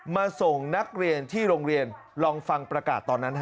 ส่งนักเรียนที่โรงเรียนลองฟังประกาศตอนนั้นฮะ